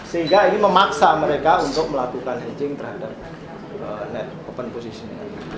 sehingga ini memaksa mereka untuk melakukan hetching terhadap net open position